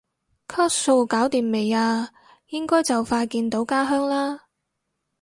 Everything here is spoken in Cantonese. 卡數搞掂未啊？應該就快見到家鄉啦？